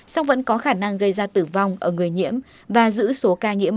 sau vẫn có khả năng gây ra tử vong ở người nhiễm và giữ số ca nhiễm